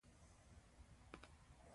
شاه محمود د اصفهان د نیولو لپاره حرکت کوي.